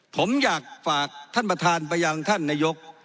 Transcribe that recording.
ผมอยากฝากท่านประธานไปยังท่านนายก